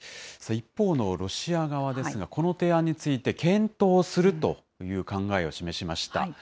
一方のロシア側ですが、この提案について検討するという考えを示しました。